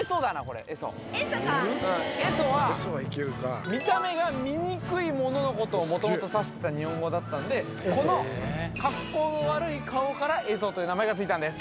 エソかうんエソは見た目が醜いもののことを元々指してた日本語だったんでこの格好の悪い顔からエソという名前が付いたんです